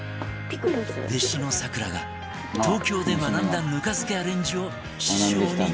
弟子の咲楽が東京で学んだぬか漬けアレンジを師匠に伝授